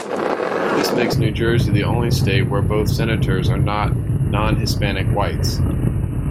This makes New Jersey the only state where both senators are not non-Hispanic whites.